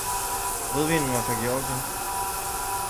Rødvinen var fra Georgien.